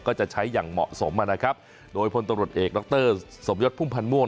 ก็จะใช้อย่างเหมาะสมอ่านะครับโดยพลตรวจเอกร็อตเตอร์สมยศภูมิพันณ์ม่วง